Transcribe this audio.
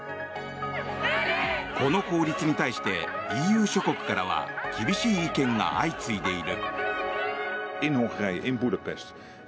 この法律に対してＥＵ諸国からは厳しい意見が相次いでいる。